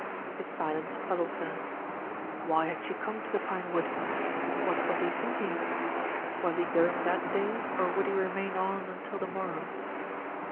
His silence puzzled her. Why had she come to the pinewood? What was he thinking? Was he going that day, or would he remain on until the morrow?